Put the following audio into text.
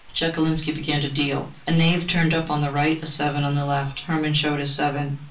Chekalinsky began to deal. A knave turned up on the right, a seven on the left. Hermann showed his seven.